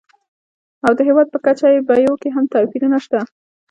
او د هېوادونو په کچه یې بیو کې هم توپیرونه شته.